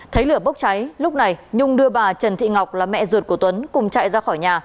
thấy lửa bốc cháy lúc này nhung đưa bà trần thị ngọc là mẹ ruột của tuấn cùng chạy ra khỏi nhà